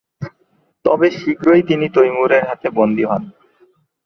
তবে শীঘ্রই তিনি তৈমুরের হাতে বন্দী হন।